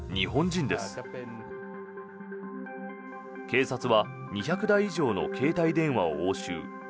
警察は２００台以上の携帯電話を押収。